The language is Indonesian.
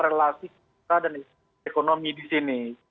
relasi kita dan ekonomi di sini